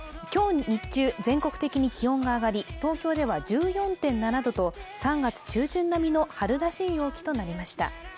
今日、日中、全国的に気温が上がり東京では１４．７度と３月中旬並みの春らしい陽気となりました。